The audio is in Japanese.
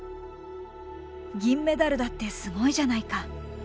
銀メダルだってすごいじゃないか！